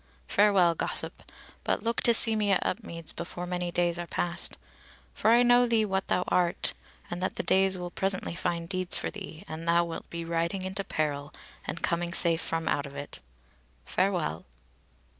Farewell, gossip; but look to see me at Upmeads before many days are past; for I know thee what thou art; and that the days will presently find deeds for thee, and thou wilt be riding into peril, and coming safe from out of it. Farewell!"